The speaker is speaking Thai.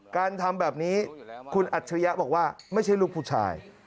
การทำแบบนี้คุณอัจฉริยะบอกว่าไม่ใช่ลูกผู้ชาย